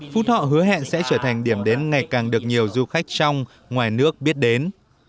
phú thọ hứa hẹn sẽ trở thành điểm đến ngày càng được nhiều du khách trong ngoài nước biết đến